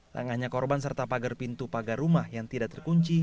tak hanya korban serta pagar pintu pagar rumah yang tidak terkunci